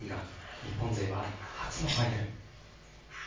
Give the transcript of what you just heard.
日本勢は初のファイナル。